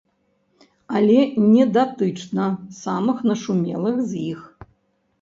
Але не датычна самых нашумелых з іх.